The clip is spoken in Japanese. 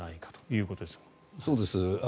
そうです。